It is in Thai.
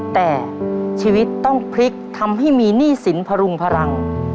แต่ชีวิตต้องพลิกทำให้มีหนี้สินพรุงพลัง